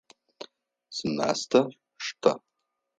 Зы мастэ штэ!